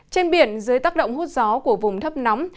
trên biển dưới tác động hút gió của vùng thấp nóng